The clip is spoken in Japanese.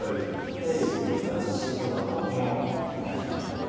テレビも雑誌とかもないねたぶん。